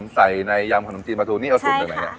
ใส่ในยำขนมจีนปลาทูนี่เอาสูตรอยู่ไหน